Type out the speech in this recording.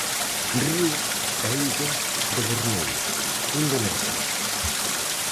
Río da illa de Borneo, Indonesia.